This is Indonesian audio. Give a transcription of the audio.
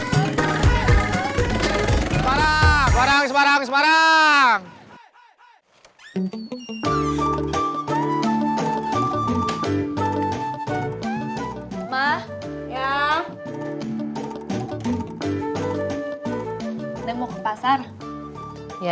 bagaimana cara membuat petugas tersebut berjaya